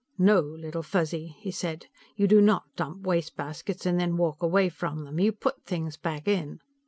"No, Little Fuzzy," he said. "You do not dump wastebaskets and then walk away from them. You put things back in."